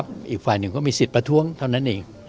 บ้างครับอีกฝั่งแน่งก็มีสิทธิ์ประท้วงเท่านั้นเอง